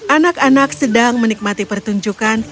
anak anak sedang menikmati pertunjukan